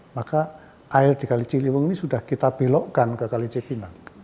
maka air di kali ciliwung ini sudah kita belokkan ke kali cipinang